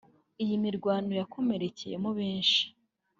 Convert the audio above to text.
Iyi mirwano yakomerekeyemo benshi